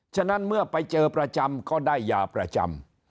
ฉะนั้นเมื่อไปเจอประจำก็ได้ยาประจำ